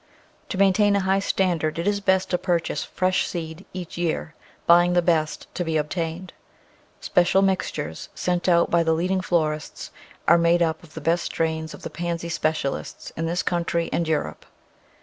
To maintain a high standard it is best to purchase fresh seed each year, buying the best to be obtained. Special mixtures sent out by the leading florists are made up of the best strains of the Pansy specialists in this country and Europe.